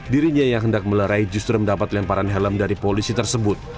dirinya yang hendak melerai justru mendapat lemparan helm dari polisi tersebut